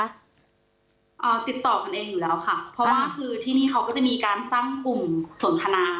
ติดต่อกันเองอยู่แล้วค่ะเพราะว่าคือที่นี่เขาก็จะมีการสร้างกลุ่มสนทนา